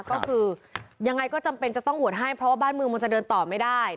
ก็คือยังไงก็จำเป็นจะต้องโหวตให้เพราะว่าบ้านเมืองมันจะเดินต่อไม่ได้